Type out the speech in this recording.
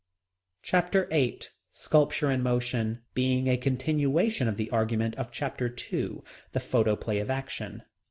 Chapter VIII Sculpture in Motion, being a continuation of the argument of chapter two. The Photoplay of Action.